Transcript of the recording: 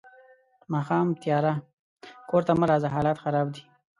ماښام تیارۀ کور ته مه راځه حالات خراب دي.